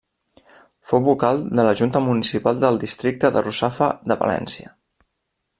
Fou vocal de la Junta Municipal de Districte de Russafa de València.